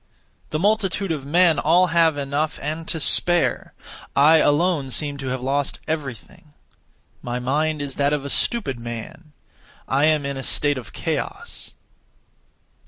The multitude of men all have enough and to spare. I alone seem to have lost everything. My mind is that of a stupid man; I am in a state of chaos.